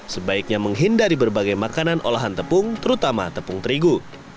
sebaiknya menghindari berbagai makanan olahan tepung terutama tepung terigu